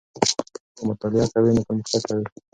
که ته مطالعه کوې نو پرمختګ کوې.